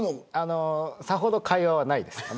さほど会話はないです。